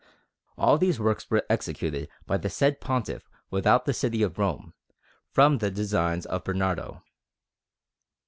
All these works were executed by the said Pontiff without the city of Rome, from the designs of Bernardo.